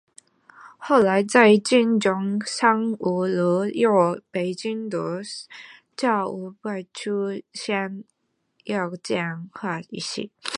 后来在今中山五路与北京路交界处出现夜间花市。